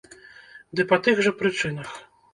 Ды па тых жа прычынах.